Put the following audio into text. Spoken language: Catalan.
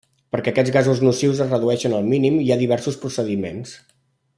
Perquè aquests gasos nocius es redueixin al mínim hi ha diversos procediments.